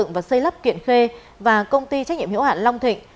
công ty xây lắp kiện khê và công ty trách nhiệm hiệu hạn long thịnh